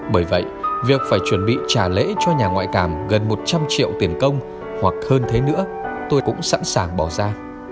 bởi vậy việc phải chuẩn bị trả lễ cho nhà ngoại cảm gần một trăm linh triệu tiền công hoặc hơn thế nữa tôi cũng sẵn sàng bỏ ra